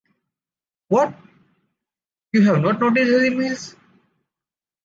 What? You have not noticed her nails?...